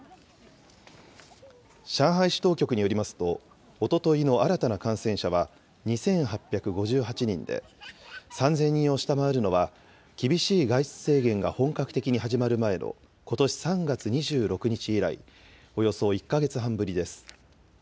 上海市当局によりますと、おとといの新たな感染者は２８５８人で、３０００人を下回るのは、厳しい外出制限が本格的に始まる前のことし３月２６日以来、およそ１か月半ぶりです。